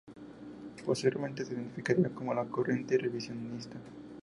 Posteriormente se identificaría con la corriente revisionista.